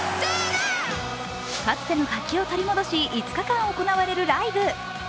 かつての活気を取り戻し５日間行われるライブ。